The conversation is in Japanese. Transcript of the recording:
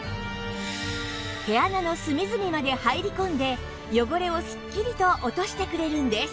毛穴の隅々まで入り込んで汚れをすっきりと落としてくれるんです